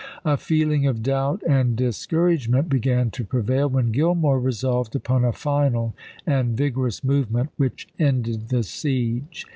A feeling of doubt and discouragement began to prevail, when Grillmore resolved upon a final and vig orous movement which ended the siege.